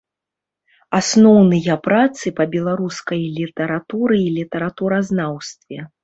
Асноўныя працы па беларускай літаратуры і літаратуразнаўстве.